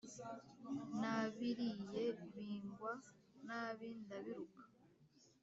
nabiriye bingwa nabi ndabiruka